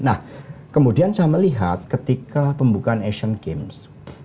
nah kemudian saya melihat ketika pembukaan asian games